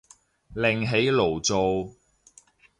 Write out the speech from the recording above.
另起爐灶